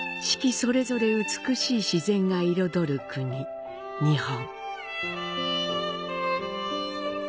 それぞれ美しい自然が彩る国、日本。